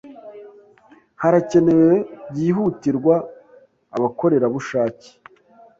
Harakenewe byihutirwa abakorerabushake.